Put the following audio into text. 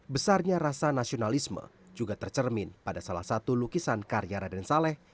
besarnya rasa nasionalisme juga tercermin pada salah satu lukisan karya raden saleh